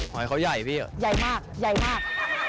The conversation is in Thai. หอยเขาใหญ่พี่เหรอใหญ่มากใหญ่มาก